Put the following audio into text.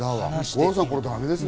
五郎さん、だめですね？